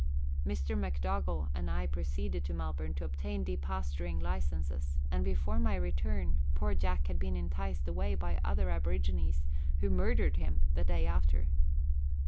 Mr. McDougall and I proceeded to Melbourne to obtain depasturing licenses, and before my return poor Jack had been enticed away by other aborigines, who mur dered him the day after.